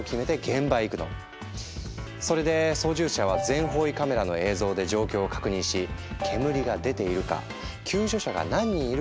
それで操縦者は全方位カメラの映像で状況を確認し煙が出ているか救助者が何人いるかを検出。